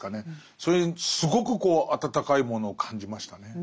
それにすごく温かいものを感じましたね。